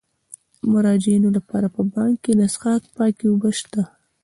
د مراجعینو لپاره په بانک کې د څښاک پاکې اوبه شته.